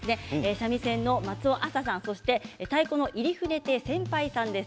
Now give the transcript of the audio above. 三味線の松尾あささんそして太鼓の入船亭扇ぱいさんです。